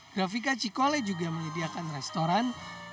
grafika cikole juga menyediakan restoran